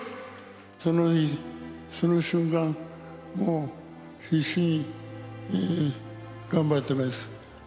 その日その瞬間、もう必死に頑張ってます。